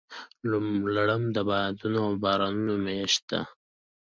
لړم د بادونو او بارانونو میاشت ده.